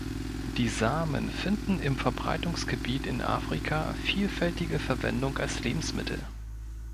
Die Samen finden im Verbreitungsgebiet in Afrika vielfältige Verwendung als Lebensmittel.